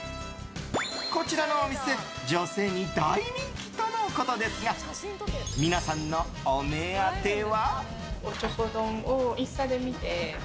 こちらのお店女性に大人気とのことですが皆さんのお目当ては？